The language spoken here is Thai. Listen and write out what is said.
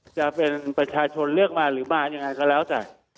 จะเป็นประชาชนเลือกมาหรือมายังไงก็แล้วแต่